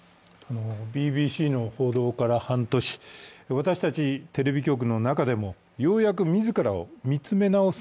ＢＢＣの報道から半年、私たちテレビ局の中でもようやく自らを見つめ直す